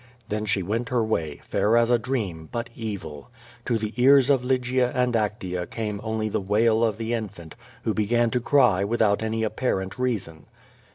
Then she went her way, fair as a dream, but evil. To the ears of Lygia and Actea came only the wail of the infant, who began to cry ^nthout any apparent reason.